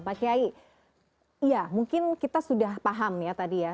pak kiai ya mungkin kita sudah paham ya tadi ya